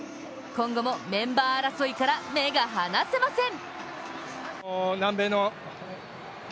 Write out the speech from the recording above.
今後もメンバー争いから目が離せません。